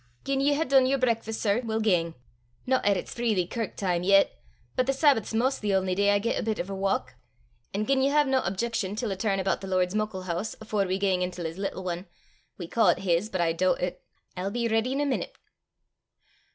Gien ye hae dune yer brakfast, sir, we'll gang no 'at it's freely kirk time yet, but the Sabbath 's 'maist the only day I get a bit o' a walk, an' gien ye hae nae objection til a turn aboot the Lord's muckle hoose afore we gang intil his little ane we ca' 't his, but I doobt it I'll be ready in a meenute."